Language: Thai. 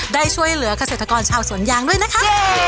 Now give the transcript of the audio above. ได้ช่วยเหลือกเกษตรกรชาวสวนยางด้วยนะคะ